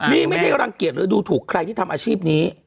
นี่ไม่ได้รังเกียจหรือดูถูกใครที่ทำอาชีพนี้